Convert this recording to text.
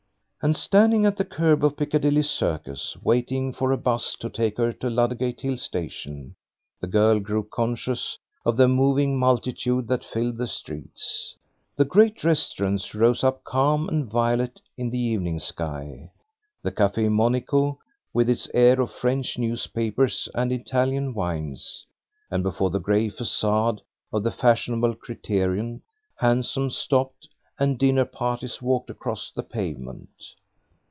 And standing at the kerb of Piccadilly Circus, waiting for a 'bus to take her to Ludgate Hill Station, the girl grew conscious of the moving multitude that filled the streets. The great restaurants rose up calm and violet in the evening sky, the Café Monico, with its air of French newspapers and Italian wines; and before the grey façade of the fashionable Criterion hansoms stopped and dinner parties walked across the pavement.